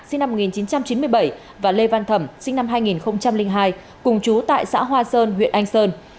sinh năm một nghìn chín trăm chín mươi bảy và lê văn thẩm sinh năm hai nghìn hai cùng chú tại xã hoa sơn huyện anh sơn